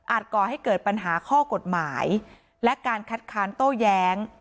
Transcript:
ก่อให้เกิดปัญหาข้อกฎหมายและการคัดค้านโต้แย้ง